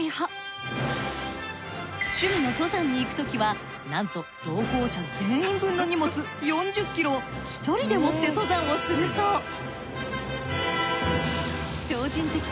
趣味の登山に行くときはなんと同行者全員分の荷物４０ｋｇを１人で持って登山をするそう。